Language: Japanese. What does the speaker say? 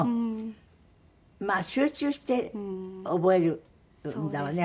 まあ集中して覚えるんだわね